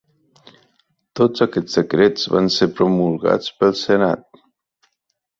Tots aquests decrets van ser promulgats pel Senat.